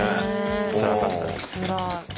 つらかったです。